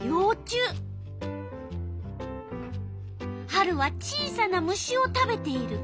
春は小さな虫を食べている。